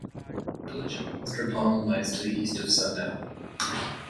The village of Austrepollen lies to the east of Sunndal.